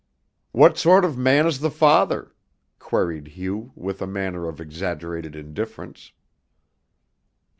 "What sort of man is the father?" queried Hugh with a manner of exaggerated indifference.